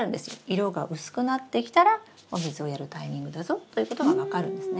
色が薄くなってきたらお水をやるタイミングだぞということが分かるんですね。